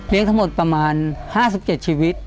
เลี้ยงทั้งหมดประมาณ๕๗ชีวิต